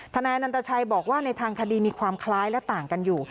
นายนันตชัยบอกว่าในทางคดีมีความคล้ายและต่างกันอยู่